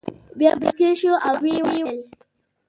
بیا مسکی شو او ویې ویل.